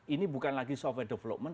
ini bukan lagi software development